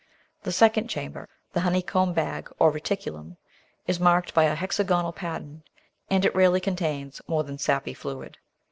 The second chamber, the honeycomb bag or reticulum, is marked by a hexagonal pattern, and it rarely contains more than sappy fluid.